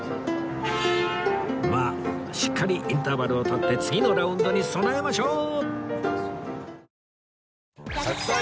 まあしっかりインターバルを取って次のラウンドに備えましょう！